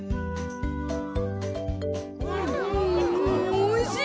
おいしい。